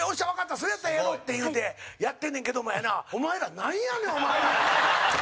それやったらやろう」って言うてやってんねんけどもやなお前ら、なんやねん！